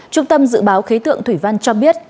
trung tâm dự báo khí tượng thủy văn cho biết